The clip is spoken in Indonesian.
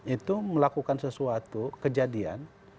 itu melakukan sesuatu kejadian